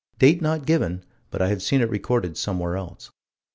Date not given, but I have seen it recorded somewhere else.